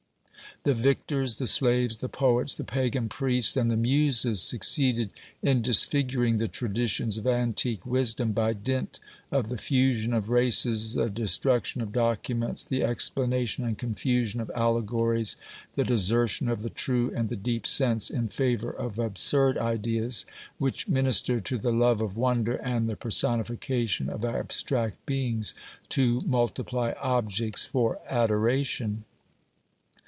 The victors, the slaves, the poets, the pagan priests and the muses succeeded in disfiguring the traditions of antique wisdom by dint of the fusion of races, the destruction of documents, the explanation and confusion of allegories, the desertion of the true and the deep sense in favour of absurd ideas which minister to the love of wonder, and the personi fication of abstract beings to multiply objects for adoration.